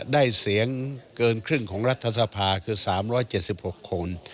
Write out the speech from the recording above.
ได้เสียงเกินครึ่งของรัฐสภาคือ๓๗๖คน